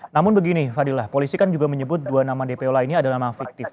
namun begini fadila polisi kan juga menyebut dua nama dpo lainnya adalah nama fiktif